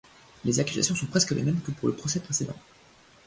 Les accusations sont presque les mêmes que pour le procès précédent.